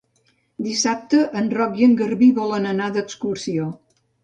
Dissabte en Roc i en Garbí volen anar d'excursió.